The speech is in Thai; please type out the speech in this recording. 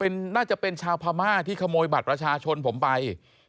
น่าจะเป็นชาวพม่าที่ขโมยบัตรประชาชนผมไป